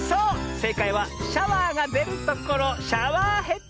せいかいはシャワーがでるところシャワーヘッド。